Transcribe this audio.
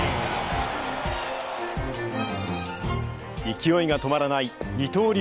勢いが止まらない二刀流